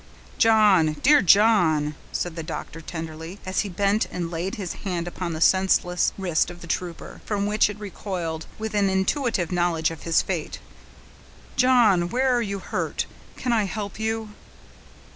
"John! dear John!" said the doctor, tenderly, as he bent and laid his hand upon the senseless wrist of the trooper, from which it recoiled with an intuitive knowledge of his fate. "John! where are you hurt?—can I help you?"